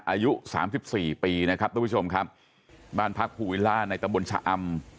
อายุสามสิบสี่ปีนะครับทุกผู้ชมครับบ้านพักภูวิลล่าในตำบลชะอำ